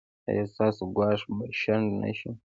ایا ستاسو ګواښ به شنډ نه شي؟